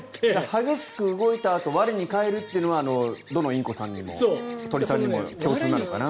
激しく動いて我に返るというのはどのインコさんでも鳥さんでも共通なのかな。